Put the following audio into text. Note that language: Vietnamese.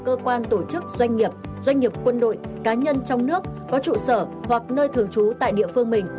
cơ quan tổ chức doanh nghiệp doanh nghiệp quân đội cá nhân trong nước có trụ sở hoặc nơi thường trú tại địa phương mình